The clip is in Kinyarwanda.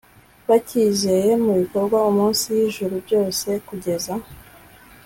bakizeye mu bikorerwa munsi y ijuru byose kugeza